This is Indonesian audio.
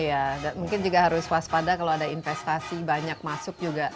iya mungkin juga harus waspada kalau ada investasi banyak masuk juga